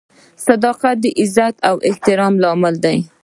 • صداقت د عزت او احترام لامل دی.